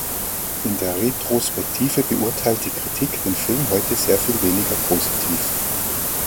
In der Retrospektive beurteilt die Kritik den Film heute sehr viel weniger positiv.